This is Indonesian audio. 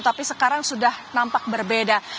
tapi sekarang sudah nampak berbeda